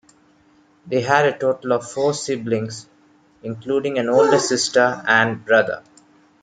They had a total of four siblings, including an older sister and brother.